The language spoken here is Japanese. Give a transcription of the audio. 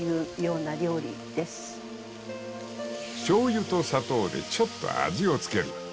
［しょうゆと砂糖でちょっと味を付ける］